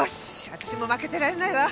私も負けてられないわ。